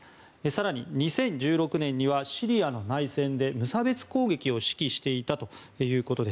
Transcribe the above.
更に２０１６年にはシリアの内戦で無差別攻撃を指揮していたということ。